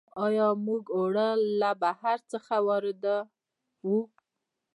آیا موږ اوړه له بهر څخه واردوو؟